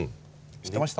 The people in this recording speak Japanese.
知ってました？